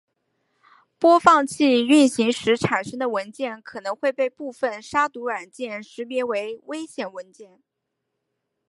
播放器运行时产生的文件可能会被部分杀毒软件识别为危险文件。